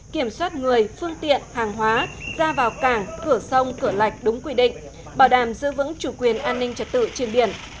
kiểm soát người phương tiện hàng hóa ra vào cảng cửa sông cửa lạch đúng quy định bảo đảm giữ vững chủ quyền an ninh trật tự trên biển